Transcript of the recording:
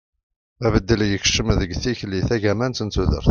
abeddel yekcem deg tikli tagamant n tudert